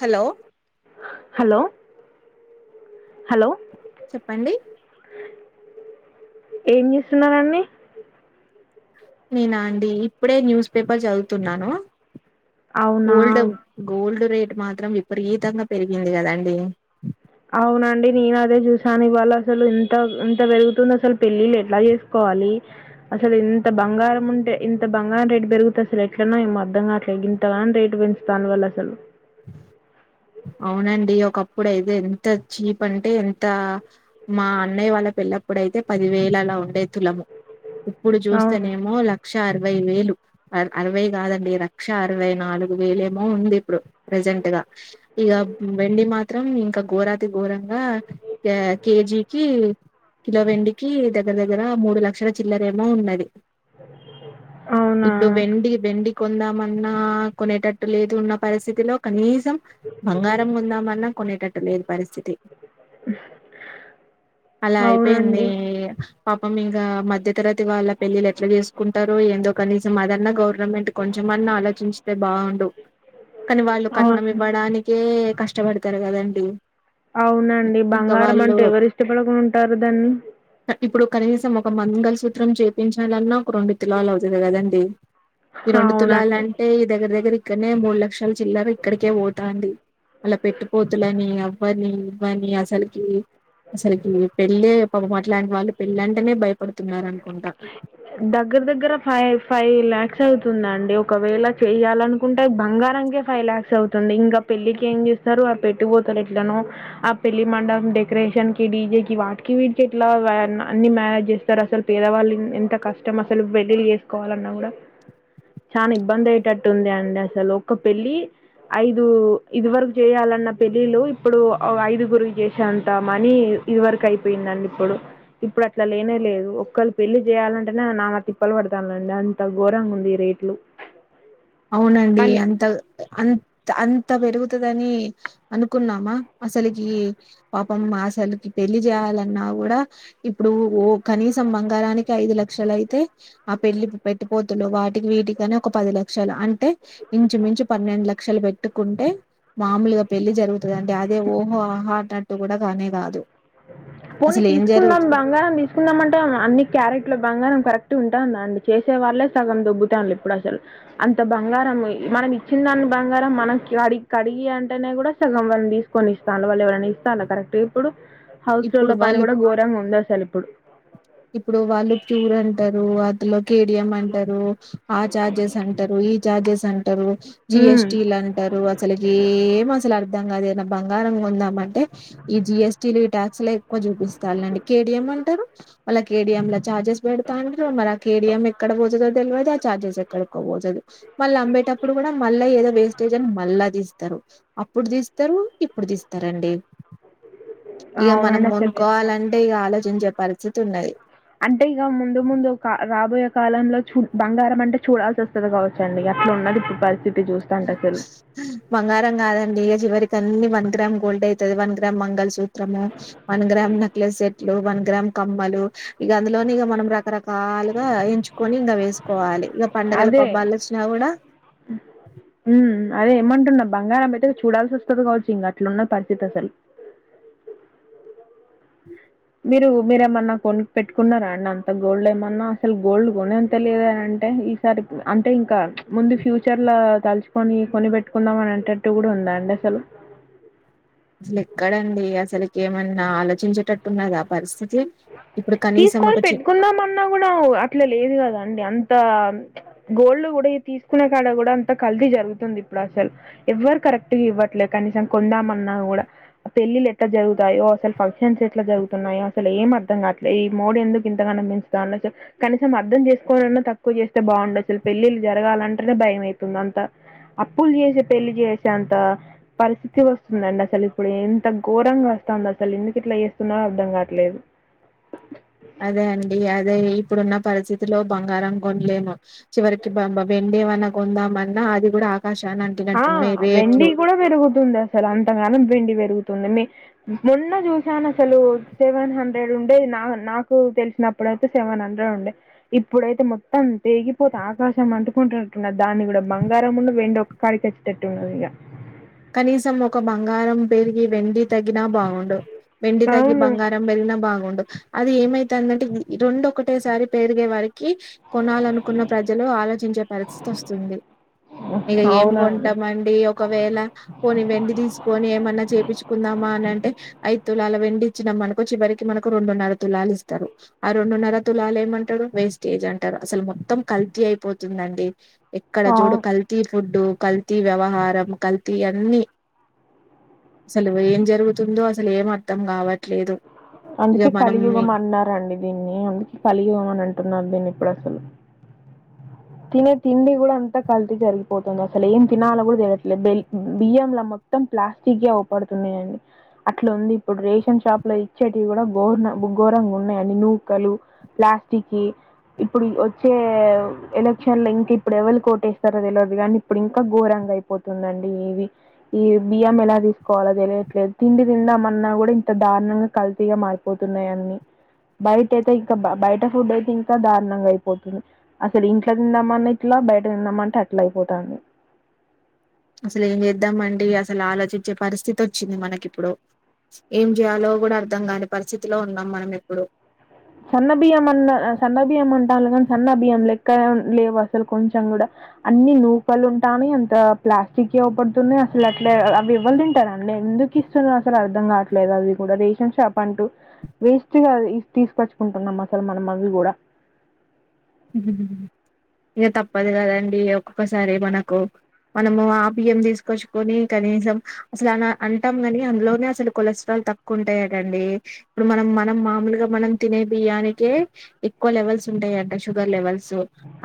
Hello hello hello చెప్పండి ఏం చేస్తున్నరండి నేనా అండి ఇప్పుడే న్యూస్ పేపర్ చదువుతున్నాను అవునా గోల్డ్ గోల్డ్ రేట్ ఇ మాత్రం విపరీతంగా పెరిగింది కదండి అవునండి నేను అదే చూసాను ఇవాళ అసలు ఇంత ఇంత పెరుగుతుంది అసలు పెళ్ళిళ్ళు ఎట్లా చేసుకోవాలి అసలు ఇంత బంగారం ఉంటే ఇంత బంగారం రేటు పెరుగుతుంది అసలు ఎట్లన్నా ఏమో అర్ధం కాట్లే ఇంతగా రేటు పెంచుతాను వాళ్ళు అసలు అవునండి ఒకప్పుడు అయితే ఎంత చీప్ అంటే ఎంత మా అన్నయ్య వాళ్ళ పెళ్ల్లప్పుడయితే పది వేలలా ఉ పండేతులము ఇప్పుడు అవును చూస్తేనేమో లక్ష అరవై వేలు అరవై కాదండి లక్ష అరవై నాలుగు వేలుమో ఉంది ఇప్పుడు ప్రజెంట్గా ఇక వెండి మాత్రం ఇంకా ఘోరాతి ఘోరంగా కేజీకి కిలో వెండికి దగ్గర దగ్గర మూడు లక్షల చిల్లరేమో ఉన్నది అవునా ఇప్పుడు వెండి వెండి కొందామన్నా కొనేటట్టు లేదు ఉన్న పరిస్థితిలో కనీసం బంగారం ఉందామల్ కొన్ని క పరిథితి అలా అయిపోయింది అవునండి పాపం మింక మధ్య తతరతి వాళ్ళ పెళ్ళిలు ఎట్లా చేసుకుంటారు ఏందుోకని మాదన్న గౌరం గవనమెంట్ కొంచెంమన్ని ఆలోచించిస్తే బాగుండు కానీ వాళ్ళు కట్నం అవును ఇవ్వడానికి హ్మ్ కష్టపడతారు కదండి అవునండి ఇంకా బంగారం వాళ్ళు అంటూ ఎవరు ఇష్టపడకుని ఉంటారు దాన్ని ఇప్పుడు కనీసం ఒక మంగళ సూత్రం చేపించాలన్నా రెండు తులాలు అవుతుంది కదండి ఆ రెండు తులాాల అవునండి అంటే ఈ దగ్గర దగ్గర ఇక్కడనే మూడు లక్షల చిల్లర అలా పెట్టుపోతులని బనీ బనీ అసలకి అసరల కి పెళ్ళే పాప ఇలాంటి వాళ్ళ పెళ్ళంటనే భయపడుతున్నారు అనుకుంటా దగ్గర దగ్గర ఫైవ్ ఫైవ్ ల్యాక్స్ అవుతుందండి ఒకవేళ చెయాలనుకుంటే బంగారంకే ఫైవ్ లలాక్స్ అవుతుంది ఇంకా పెళ్లికి ఏం చేస్తారు ఆ పెట్టుపోతలు ఎట్లనో ఆ పెళ్లి మండపం డెకరేషన్ కి డీజే కి వాటికి వీటికి ఎట్లా అన్ని మేనేజ్ చేస్తారు అసలు పేదవాళ్ళ ఎంత కష్టం అసలు పెళ్ళిలు చేసుకోవాలన్నా కూడా చాలా ఇబ్బంది అయేటట్టుంది అండి అసలు ఒక పెళ్ళి ఐదు ఇది వరకు చేయాలన్న పెళ్ళిలు ఇప్పుడు ఐదుగురు చేసేంత మనీ ఇది వరకు అయిపోయిందండి ఇప్పుడు ఇప్పుడు అట్లా లేనే లేదు ఒకళ పెళ్లి చేయాలంటేనే నానా తిప్పలు పడతాండ్రండి అంత ఘోరంగా ఉంది రేట్లు అవునండి కానీ అంత అంత్ అంత్ అంత త పెరుగుతుందని అనుకున్నామా అసలుకి పాపం అసలుకి పెళ్లి చేయాలన్నా కూడా ఇప్పుడు ఓ కనీసం బంగారానికి ఐదు లక్షలు అయితే ఆ పెళ్లిి పెట్టిపోతులు వాటికి వీటికని ఒక పది లక్ష లక్షలు అంటే ఇంచుమించు పన్నెండు లక్షలు పెట్టుకుంటే మామూలుగా పెళ్లి జరుగుతుంది అండి అదే ఓహో ఆహా అన్నట్టు కూడా కానే కాదు పోనీ అసలు ఏం తీసుకుందాం జరుగుతుంది బంగారం తీసుకుందాం అంటే అన్ని క్యారెట్ లో బంగారం కరెక్ ట్టి ఉంటుందండి చేసే వాళ్ళే సగం దొబ్బుతానర్లు ఇప్పుడు అసలు అంత బంగారం మనం ఇచ్చిన దాన్ని బంగారం మనం కడి కడిగి అంటేనే కూడా సగం వాళ్ళని తీసుకొని ఇస్తాను వాళ్ళు ఎవరైనా ఇస్తాను కరెక్ట్ ఇప్పుడు చోల ఇప్పుడు పని వాళ్ళు కూడా ఘోరంగా ఉంది అసలు ఇప్పుడు ఇప్పుడు వాళ్ళు ప్యూర్ అంటారు అందులో కేడిఎం అంటారు ఆ చార్జెస్ అంటారు ఈ ఛార్జెస్ అంట టారు తర్వాత ఉమ్, జిఎస్టిలు అంటారు. అసలుకి ఏం అసలు అర్దం దాని ఏదైనా బంగారం కొందామని అంటే ఈ జిఎస్టీ లు ఈ ట్యాక్స్ లు ఎక్కువ చూపిస్తారులేండి కేడిఎం అంటారు. మళ్ళ కేడిఎంల ఛార్జెస్ పెడతారు. మరి ఆ కేడిఎం ఎక్కడ పోతుదో తెల్వదు ఆ చార్జెస్ ఎక్కడికో పోతది మళ్ళీ అమ్మేటప్పుడు కూడా మళ్ళా ఏదో వేస్టేజ్ అని మళ్ళా తీస్తారు అప్పుడు తీస్తారు ఇప్పుడు తీస్తా రండి. ఇగ మనం అవునండి అసలు ఎంత- కొనుక్కోవాలంటే ఇక ఆలోచించి చెప్పాలి చుతు ఉన్నాయి అంటే ఇక ముందు ముందు రాబోయే కాలంలో చూడు బంగారం అంటే చూడాల్సి వస్తుంది కావచ్చండి అట్లా ఉన్నది ఇప్పుడు పరిస్థితి చూస్తుంటే హ్మ్మ్ అసలు హ్మ్మ్ బంగారం కాదండి అసలకి అన్ని వన్ గ్రామ్ గోల్డ్ అవుతది వన్ గ్రామ్ మంగళ సూత్రము వన్ గ్రామ్ నెక్లెస్ సెట్లు వన్ గ్రామ్ కమ్మలు ఇక అందులోనే ఇగ మనం రకరకాలు ఇంకా ఎంచుకొని ఇంకా వేసుకోవాలి ఇక పండగలు అదే పబ్బాలు వచ్చినా కూడా ఉ అదే ఏమంటున్నా బంగారం అయితే చూడాల్సి వస్తుంది కావచ్చు ఇంగా అట్లున్నది పరిస్థితి అసలు [inaudible] మీరు మీరేమన్నా కొని పెట్టుకున్నారా అండి అంత గోల్డ్ ఏమన్నా అసలు గోల్డ్ కొనే అంతలేదు అంటే ఈసారి అంటే ఇంకా ముందు ఫ్యూచర్ లో తలుచుకొని కొని పెట్టుకుందాం అని అంటట్టు కూడా ఉందా అండి అసలు అసలు ఎక్కడండి అసలుకి ఏమన్నా ఆలోచించేటట్టున్నది ఆ పరిస్థి తీసుకొని పెట్టుకుందాం అన్నా కూడా అట్లా లేదు కదా అంత గోల్డ్ కూడా తీసుకునే కాడ కూడా అంత కల్తి జరుగుతుంది ఇప్పుడు అసలు ఎవ్వరు కరెక్ట్గా ఇవ్వట్లేదు కనీసం కొందామన్నా కూడా పెళ్ళిలు ఎట్లా జరుగుతాయో అసలు ఫంక్షన్స్ ఎట్లా జరుగుతున్నాయో అసలు ఏం అర్ధం అర్థం కావట్లేదు ఈ మోడి ఎందుకు ఇంతగానం పెంచుతాండు అసలు కనీసం అర్థం చేసుకోని అన్నా తక్కువ చేస్తే బాగుండు అసలు పెళ్ళిళ్ళ జరగాలంటేనే భయం అయ్ తుంది అంత అప్పులు చేసే పెళ్లి చేసేంత పరిస్థితి వస్తుందండి అసలు ఇప్పుడు ఎంత ఘోరంగా వస్తాంది అసలు ఎందుకు ఇట్లా చేస్తున్నారో అర్థం కావట్లేదు [inaudible] అదే అండి అదే ఇప్ ప్పుడున్న పరిస్థితిలో బంగారం కొన్లేము. చివరికి బంబ వెండి ఏమన్నా కొందామన్నా అది గూడా ఆ వెండి కూడా పెరుగుతుంది అసల్ అంతగనం వెండి పెరుగు తుంది. మీ మొన్న చూసాను అసలూ సెవెన్ హండ్రెడ్ ఉండేది నా నాకు తెలిసినప్పుడయితే సెవెన్ హండ్రెడ్ ఉండే. ఇప్పుడైతే మొత్తం తెగిపోతే ఆకాశం అంటుకుంటునట్టున్నద్ దాన్ని కూడా బంగారం ఉన్ను వెండి ఒక్ [unintelligible] టట్టు ఉన్నదిగా కనీసం ఒక బంగారం పెరిగీ వెండి తగ్గినా బా గుండు. వెెండి తగ్గి అవును బంగారం పెరిగినా బాగుండు. అది ఏమైతాందంటే రెండూ ఒకటేసారి పెరుగే వరిక్ కీ. కోనాలనుకున్న ప్రజలు ఆలోచించే పరిస్థితి వస్తుంది. ఇగ ఏమ్ అవునండి కొంటాం అండీ ఒకవేళ పోని వెండి తీసుకొని ఏమన్నా చేపిచ్చుకుందామా అని అంటే ఐదు తులాల వెండి ఇచ్చినామనుకో చివరికి మనకు రెండున్నర తులాలు ఇస్తారు. ఆ రెండున్నర తులాలు ఏమంటరు వేస్టేజ్ అంటరు అసలు మొత్తం కల్తీ అయిపోతుందండి. ఎక్కడ అవు జూడు కల్తీ. ఫుడ్డూ కల్తీ వ్యవహారం కల్ తీ అన్నీ అసలు ఏం జరుగుతుందో అస్ అసలు ఏమర్థం గావట్ అందుకే కలియుగం అన్నారండి దీన్నీ. అందుకే కలియుగం అని అంటున్నారు దీన్ని ఇప్పుడు అసలు. తినే తిండి కూడా అంతా కల్తి జరిగిపోతుంది అసలు ఏం తినాలో కూడా తేలియట్లేదు డెయిలీ. బియ్యంలా మొత్తం ప్లాస్టిక్ ఏ అవుపడుతున్నయి అండి. అట్లా ఉంది ఇప్పుడు రేషన్ షాప్ వాళ్ళు ఇచ్చేటివి కూడా ఘోర ఘోరంగా ఉన్నాయండి నూకలు, ప్లాస్టిక్కియీ. ఇప్పుడు వచ్చే ఎలక్షన్ లో ఇంక ఇప్పుడు ఎవల్కి వోటేస్తరో తెల్వదు గానీ ఇప్పుడు ఇంకా ఘోరంగా అయిపోతుందండి ఇవి. ఈ బియ్యం ఎలా తీసుకోవాలో తెలియట్లేదు. తిండి తిందామన్నా గూడా ఇంత దారుణంగా కల్తీగా మారిపోతున్నాయి అన్ని. బయట అయితే ఇంకా బయట ఫుడ్ అయితే ఇంకా దారుణంగా అయిపోతుంది. అసలు ఇంట్ల తిందామన్నా ఇట్లా బయట తిందామంటే అట్లా అయిపోతాంది. అసలు ఏం చేద్దాంమండీ అసలు ఆలోచించే పరిస్థితి వచ్చింది మనకిప్పుడూ. ఏం జేయాలో గూడా అర్థం గానీ పరిస్థితి లో ఉన్నాం మనం ఇప్పుడు. సన్న బియ్యం అన్న సన్న బియ్యం అంటాన్లు గాని, సన్నా బియ్యం లెక్కా లేవు అసల్ కొంచెం గూడా. అన్నీ నూకల్ ఉంటానై అంతా ప్లాస్టిక్ యీ అవు పడుతున్నాయి అసలు అట్లే అవి ఎవ్వల్ తింటారు అన్ని ఎందుకు ఇస్తున్నార్ అసల్ అర్ధం కావట్లేదు. అవి గూడా రేషన్ షాప్ అంటూ వేస్ట్ గా తీసుకొచ్ కొంటున్నాం అసలు మనం అవి గూడా. ఇగ తప్పదు కదండీ ఒక్కొక్కసారి మనకూ. మనము ఆ బియ్యం తీసుకొచ్చుకొనీ కనీసం అసలు అలా అంటాం గానీ అందులోనే అసలు కొలెస్ట్రాల్ తక్కువ ఉంటాయటండీ. ఇప్పుడు మనం మనం మామూలుగా మనం తినే బియ్యానికే ఎక్కువ లెవెల్స్ ఉంటాయట ష్ షుగర్ లెవెల్సు.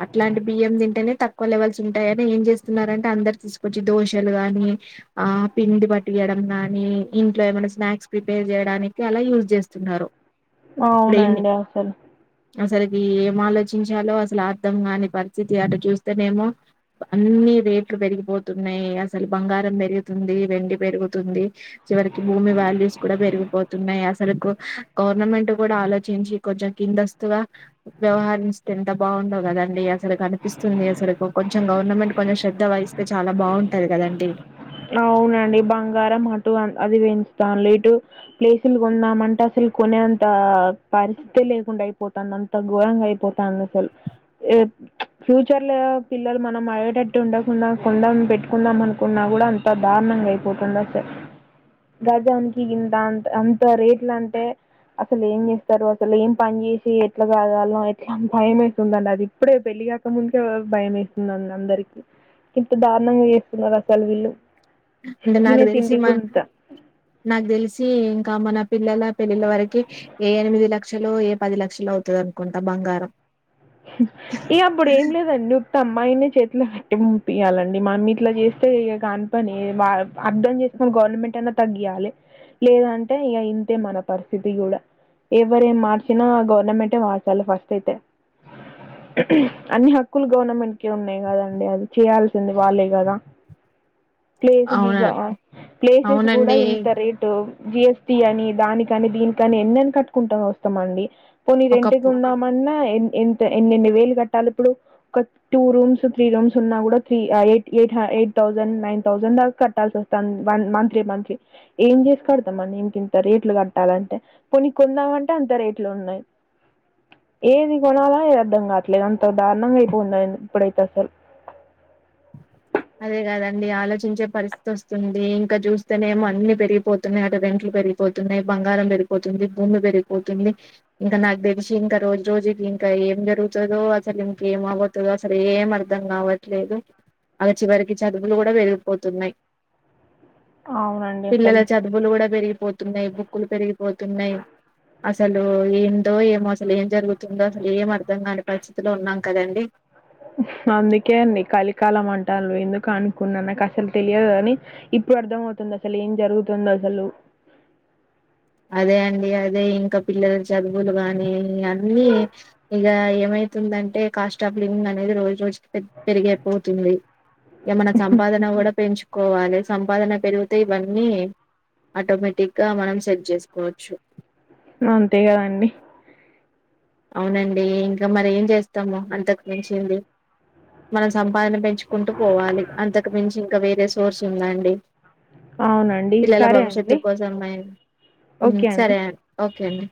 అట్లాంటి బియ్యం తింటేనే తక్కువ లెవెల్స్ ఉంటాయని ఏం చేస్తున్నారంటె అందరు తీసుకొచ్చి దోశలు గానీ, ఆ పిండి పట్టీయడం గానీ, ఇంట్లో ఏమైనా స్నాక్స్ ప్రిపేర్ చేయడానికి అలా యూజ్ చేస్తున్నారు. అవునండి అసల్ అసలికీ ఏం ఆలోచ్ చించాలో అసలు అర్థం గాని పరిస్థితి అటు చూస్తేనేమో అన్నీ రేట్లు పెరిగిపోతున్నయి. అసలు బంగారం పెరుగుతుందీ, వెండి పెరుగుతుందీ. చివరికి భూమి వాల్యూస్ కూడా పెరిగిపోతున్నాయి అసలుకు. గవర్నమెంట్ గూడా ఆలోచించి కొంచెం కిందస్తుగా వ్యవహరించ్ ఎంత బాగుండో గదండి అస్ చాల కనిపిస్తుంది అసలు. కొ కొంచెం గవర్నమెంట్ కొంచెం శ దబాయిస్తే చాలా బాగుంటది కదండి. అవునండి బంగారం అటు అవి పెంచుతాంన్లు. ఇటూ ప్లేసులు కొందాం అంటే అసలు కొనే అంతా పరిస్థితే లేకుండా అయిపోతాంది. అంత ఘోరంగా అయిపోతాంది అసల్. ప్చ్ ఫ్యూచర్ లో పిల్లల్ మనం అడిగేటట్టు ఉండకుండా కొందాం పెట్టికొందాం అనుకున్నా గూడా అంత్ అంత దారుణంగా అయిపోతుంది అసల్. గజానికి గింతా అంత అంత రేట్ల అంటే, అసలు ఏం చేస్తారు అసల్ ఏం పని చేసీ ఎట్ల సాదాల్నో ఎట్లాని భయం వేస్తుందండి అది ఇప్పుడే పెళ్ళిగాక ముందుకే భయం వేస్తుంది అందరికి. ఇంత దారుణంగా చేస్తున్నారు అసల్ వీళ్ళు. అంటే నాకు తినే తెలిసి తిండి మా, గుంత నాకు తెలిసీ ఇంకా మన పిల్లలా పెళ్ళిళ వరికి ఏ ఎనిమిది లక్ష్ క్షలో ఏ పది లక్షలో అవుతది అనుకుంట బంగారం. ఇగా అప్పుడు ఏం లేదండి. అమ్మాయిని చేతిలో పెట్టి పంపియ్యాలండి. మనమ్ ఇట్ల జేస్తే ఇగ కానిపనీ. బా అర్థం చేసుకొని గవర్నమెంట్ అయినా తగ్గియాలే. లేదంటే ఇగ ఇంతే మన పరిస్థితి గూడా. ఎవర్ ఏం మార్చినా గవర్నమెంటే మార్చాలి ఫస్ట్ అయితే. అన్ని హక్కులు గవర్నమెంట్ కే ఉన్నాయి కదండి అది చేయాల్సింది వాళ్ళే కదా ప్లేస్ అవునా గీగా ప్లేసెస్ కూడా అవునండి ఇంత రేటు జి ఎస్ టి అని దానికని దీనికని ఎన్నని కట్టుకుంటా వస్తాం అండి పోనీ ఒకప్పు రెంటుకుందాం అన్నా ఎన్ ఎంత ఎన్నెన్ని వేలు కట్టాలి ఇప్పుడు ఒక టూ రూమ్స్ త్రీ రూమ్స్ ఉన్నా కూడా త్రీ ఆ eight eighth eight thousand nine thousand దాకా కట్టాల్సి వస్తాంది వన్ మంత్లీ మంత్లీ ఏం చేసి కడతాం అని ఇంకింత రేట్లు కట్టాలంటే కొనీ కొందామంటే అంత రేట్లు ఉన్నాయి ఏది కొనాల ఏది అర్ధం కావట్లేదు అంత దారుణంగా అయిపోంది ఇప్పుడైతే అసలు అదే కాదండి ఆలోచించే పరిస్థితి వస్తుంది ఇంకా చూస్తేనేమో అన్ని పెరిగిపోతున్నాయి అటు రెంట్లు పెరిగిపోతున్నాయి బంగారం పెరిగిపోతుంది భూమి పెరిగిపోతుంది ఇంకా నాకు తెలిసి ఇంకా రోజు రోజుకి ఇంకా ఏం జరుగుతుదో అసలు ఇంకేం అపోతుదో అసలు ఏం అర్ధం కావట్లేదు అల చివరికి చదువులు కూడా పెరిగిపోతున్నాయి అవునండి పిల్లల అసలు చదువులు కూడా పెరిగి పోతున్నాయి బుక్కులు పెరిగిపోతున్నాయి అసలు ఏంటో ఏమో అసలు ఏం జరుగుతుందో అసలు ఏం అర్ధం కాని పరిస్థితిలో ఉన్నాం కదండి అందుకే అండి కలికాలం అంటారు ఎందుకు అనుకున్నా నాకు అసలు తెలియదు కాని ఇప్పుడు అర్ధం అవుతుంది అసలు ఏం జరుగుతుందో అసలు అదే అండి అదే ఇంకా పిల్లల చదువులు గానీ అన్నీ ఇగ ఏమైతుందంటే కాస్ట్ ఆఫ్ లివింగ్ అనేది రోజు రోజుకి పెద్ పెరిగైపోతుంది. ఏమన సంపాదన కూడా పెంచు కోవాలి సంపాదన పెరుగుతే ఇవన్నీ ఆటోమేటిక్ గా మనం సెట్ చేసుకోవచ్చు అంతే కదండి అవునండి ఇంకా మరి ఏం జేస్తాము అంతకు మించింది మనం సంపాదన పెం చుకుంటూ పోవాలి అంతకు మించి ఇంకా వేరే సోర్స్ ఉందాండి అవునండి. పిల్లల సరే భవిష్యత్తు అండి. కోసం మేం మ్మ్ ఓకే అండి. సరే అం ఓకే అండి.